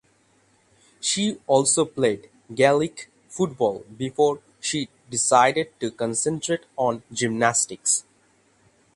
She also played Gaelic football before she decided to concentrate on gymnastics.